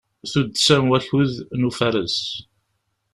Tuddsa n wakud n ufares.